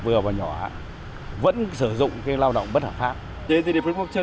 vừa và nhỏ vẫn sử dụng cái lao động bất hợp pháp các doanh nghiệp vừa và nhỏ vẫn sử dụng